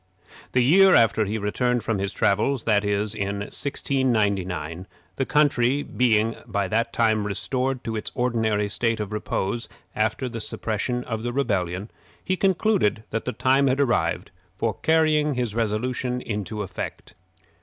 The year after he returned from his travels that is, in 1699, the country being by that time restored to its ordinary state of repose after the suppression of the rebellion he concluded that the time had arrived for carrying his resolution into effect.